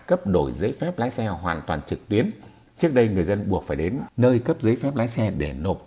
cấp đổi giấy phép lái xe hoàn toàn trực tuyến trước đây người dân buộc phải đến nơi cấp giấy phép lái xe để nộp